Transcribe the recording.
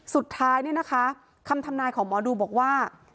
สุดท้ายเนี่ยนะคะคำทำนายของหมอดูบอกว่า